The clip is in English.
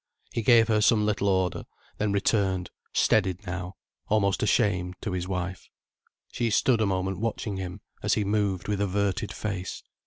He gave her some little order, then returned, steadied now, almost ashamed, to his wife. She stood a moment watching him, as he moved with averted face.